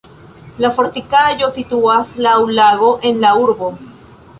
La fortikaĵo situas laŭ lago en la urbo.